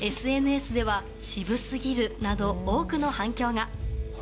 ＳＮＳでは、渋すぎるなど多くの反響が。